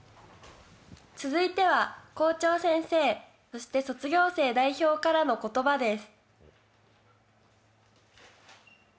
続いては校長先生、そして卒業生代表からの言葉です。